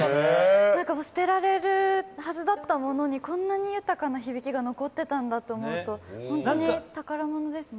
捨てられるはずだったものにこんなに豊かな響きが残っていたんだと思うと、本当に宝物ですね。